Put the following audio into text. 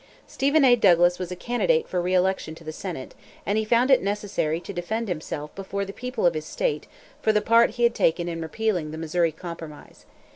Stephen A. Douglas was a candidate for reelection to the Senate, and he found it necessary to defend himself before the people of his state for the part he had taken in repealing the Missouri Compromise.